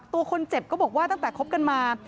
ตัวคนเจ็บก็บอกว่าตั้งแต่คบกันมา